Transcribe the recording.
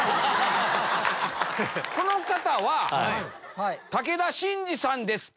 この方は武田真治さんですか？